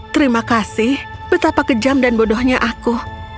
terima kasih betapa kejam dan bodohnya aku